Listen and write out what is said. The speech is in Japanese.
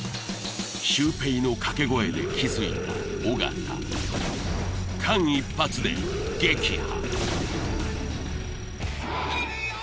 シュウペイの掛け声で気づいた尾形間一髪で撃破